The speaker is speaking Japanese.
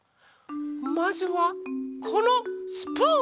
まずはこのスプーンから。